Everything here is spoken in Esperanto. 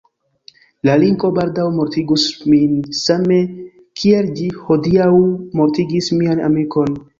La linko baldaŭ mortigus min same kiel ĝi hodiaŭ mortigis mian amikon.